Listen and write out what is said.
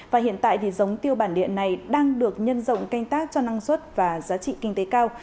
và hiện tại thì giống tiêu bản điện này đang được nhân rộng canh tác cho năng suất và giá trị kinh tế cao